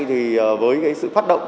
thì với sự phát động